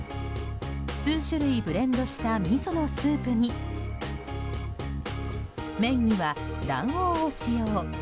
数種類ブレンドしたみそのスープに麺には卵黄を使用。